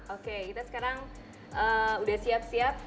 oke sekarang kita udah siap siap